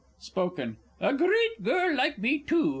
Spoken A great girl like me, too!